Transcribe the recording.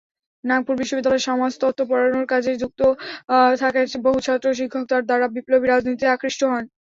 নাগপুর বিশ্ববিদ্যালয়ে সমাজতত্ত্ব পড়ানোর কাজে যুক্ত থাকায় বহু ছাত্র ও শিক্ষক তার দ্বারা বিপ্লবী রাজনীতিতে আকৃষ্ট হন।